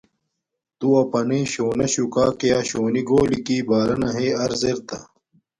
تو اپانݵ شونا شوکاک یا شونی گولی کی بارانا ہݵ عرض ارتہ۔